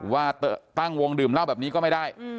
ว่าตั้งวงดื่มเหล้าแบบนี้ก็ไม่ได้